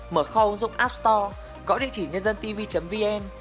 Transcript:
mở kho ứng dụng app store gõ địa chỉ nhân dân tv vn